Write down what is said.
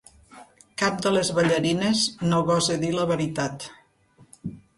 Cap de les ballarines no gosa dir la veritat.